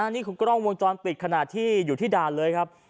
นี่คือกล้องวงจรปิดขณะที่อยู่ที่ด่านเลยครับ